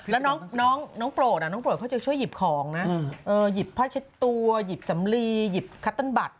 แล้วน้องโปรดน้องโปรดเขาจะช่วยหยิบของนะหยิบผ้าเช็ดตัวหยิบสำลีหยิบคัตเติ้ลบัตร